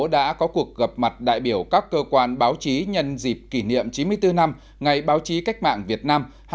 đã có cuộc gặp mặt đại biểu các cơ quan báo chí nhân dịp kỷ niệm chín mươi bốn năm ngày báo chí cách mạng việt nam